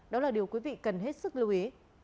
đó là điều quý vị cần hết sức lưu ý